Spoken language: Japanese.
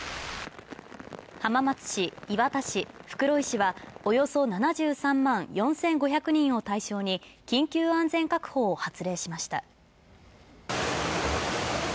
浜松市、磐田市、袋井市はおよそ７３万４５００人を対象に緊急安全確保を発令しました。